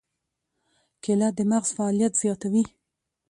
کېله د مغز فعالیت زیاتوي.